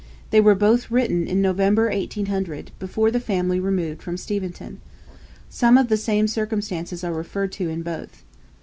They were both written in November 1800; before the family removed from Steventon. Some of the same circumstances are referred to in both.